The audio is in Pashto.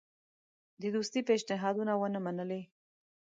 د دوستی پېشنهادونه ونه منلې.